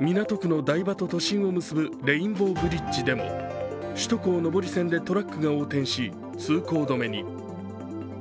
港区の台場と都心を結ぶレインボーブリッジでも首都高上り線でトラックが横転し、通行止めに。